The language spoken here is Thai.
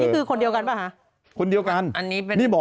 นี่คือคนเดียวกันป่ะ